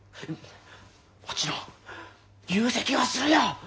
もちろん入籍はするよ！